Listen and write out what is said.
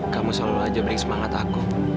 kamu selalu aja brik semangat aku